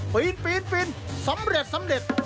ปีนสำเร็จ